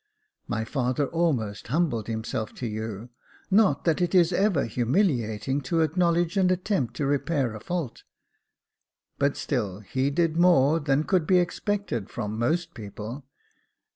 My father almost humbled himself to you — not that it is ever humiliating to acknowledge and attempt to repair a fault, but still he did more than could be expected from most people.